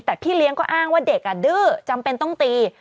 แต่พี่เลี้ยงก็อ้างว่าเด็กดื้อจำเป็นต้องตี